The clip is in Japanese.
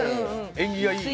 縁起がいい。